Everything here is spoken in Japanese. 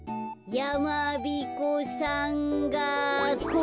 やまびこさんが。